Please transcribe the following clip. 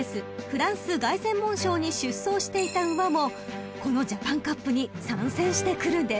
フランス凱旋門賞に出走していた馬もこのジャパンカップに参戦してくるんです］